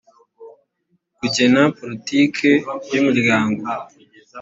kugena politike y umuryango